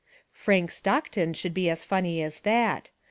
Frank Stockton could be as funny as that.